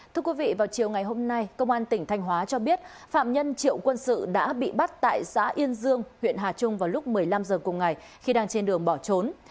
thưa quý vị vào chiều ngày hôm nay công an tỉnh thanh hóa cho biết phạm nhân triệu quân sự đã bị bắt tại xã yên dương huyện hà trung vào lúc một mươi năm h cùng ngày khi đang trên đường bỏ trốn